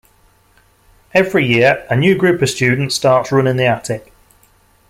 Every year a new group of students starts running the attic.